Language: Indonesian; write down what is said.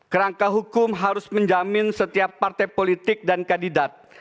kerangka hukum harus menjamin setiap partai politik dan kandidat